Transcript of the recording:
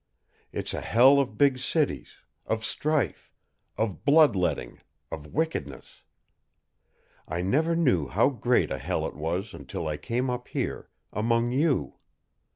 It's a hell of big cities, of strife, of blood letting, of wickedness. I never knew how great a hell it was until I came up here among YOU.